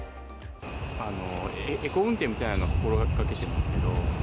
エコ運転みたいなのを心がけてますけど。